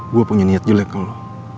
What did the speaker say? gue punya niat jelek ke lo